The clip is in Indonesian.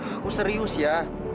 aku serius ya